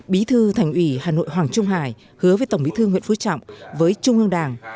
bí thư thành ủy hà nội hoàng trung hải hứa với tổng bí thư nguyễn phú trọng với trung ương đảng